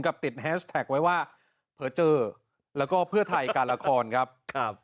ติดแฮชแท็กไว้ว่าเผลอเจอแล้วก็เพื่อไทยการละครครับครับ